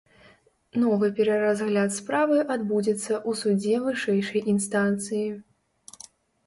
Новы пераразгляд справы адбудзецца ў судзе вышэйшай інстанцыі.